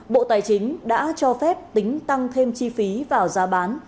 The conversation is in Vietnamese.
bộ tài chính đã cho phép tính tăng thêm chi phí vào giá bán